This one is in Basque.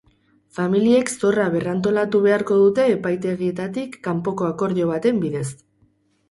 Familiek zorra berrantolatu beharko dute epaitegietatik kanpoko akordio baten bidez.